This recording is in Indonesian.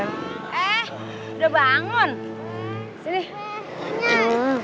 eh udah bangun